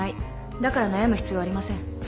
だから悩む必要はありません。